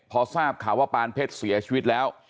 พอทราบข่าวว่าปานเพชรเสียชีวิตแล้ว